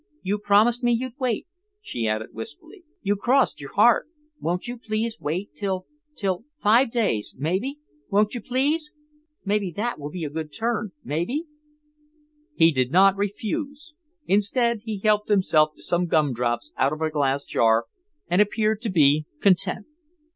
"You promised me you'd wait," she added wistfully, "you crossed your heart. Won't you please wait till—till—five days—maybe? Won't you, please? Maybe that will be a good turn, maybe?" He did not refuse. Instead he helped himself to some gumdrops out of a glass jar, and appeared to be content.